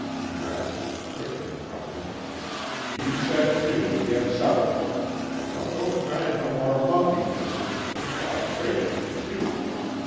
he rasped, pushing her from him, "You set to an' git supper! An' don't go tryin' no more monkey business, er I'll break ye in two!